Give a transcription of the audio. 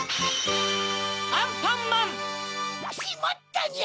アンパンマン‼しまったニャ！